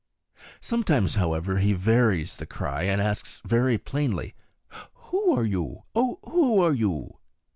Sometimes, however, he varies the cry, and asks very plainly: "Who are you? O who are you?"